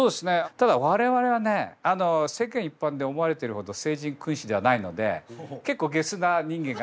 ただ我々はね世間一般で思われてるほど聖人君子ではないので結構ゲスな人間が集まってますから。